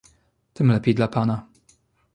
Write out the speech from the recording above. "Tym lepiej dla pana."